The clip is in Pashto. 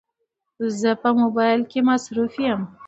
زه په موبایل کې مصروفه یم